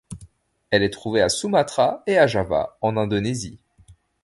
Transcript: Elle est trouvée à Sumatra et à Java, en Indonésie.